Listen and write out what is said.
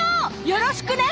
よろしくね。